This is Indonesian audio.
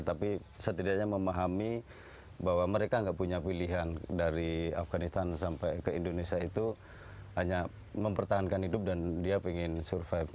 tapi setidaknya memahami bahwa mereka nggak punya pilihan dari afganistan sampai ke indonesia itu hanya mempertahankan hidup dan dia ingin survive